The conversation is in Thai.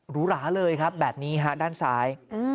หรูหราเลยครับแบบนี้ฮะด้านซ้าย